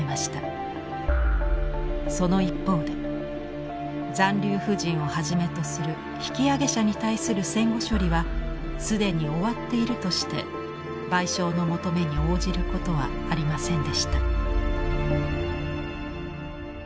その一方で残留婦人をはじめとする引き揚げ者に対する戦後処理は既に終わっているとして賠償の求めに応じることはありませんでした。